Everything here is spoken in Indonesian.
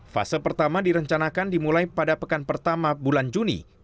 fase pertama direncanakan dimulai pada pekan pertama bulan juni